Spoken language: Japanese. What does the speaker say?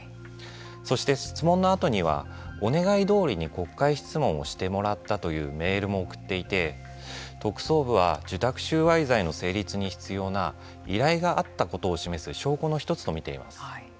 そして、質問のあとにはお願いどおりに国会質問をしてもらったというメールも送っていて特捜部は受託収賄罪の成立に必要な依頼があったことを示す証拠の１つと見ています。